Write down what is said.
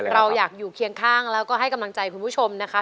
เราอยากอยู่เคียงข้างแล้วก็ให้กำลังใจคุณผู้ชมนะคะ